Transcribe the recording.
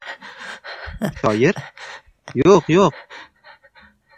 — Shoir? Yo‘q-yo‘q...